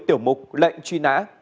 tiểu mục lệnh truy nã